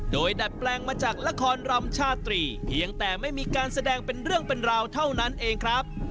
โดยดัดแปลงมาจากละครรำชาตรีเพียงแต่ไม่มีการแสดงเป็นเรื่องเป็นราวเท่านั้นเองครับ